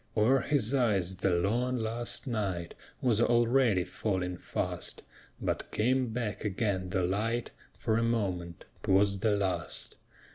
O'er his eyes the long, last night Was already falling fast; But came back again the light For a moment; 'twas the last.